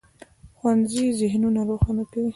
ښوونځی ذهنونه روښانه کوي.